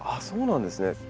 そうなんですね。